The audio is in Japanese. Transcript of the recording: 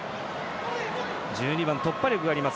１２番、突破力があります